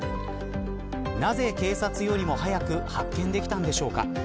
なぜ警察よりも早く発見できたのでしょうか。